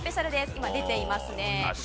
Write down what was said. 今、出ていますね。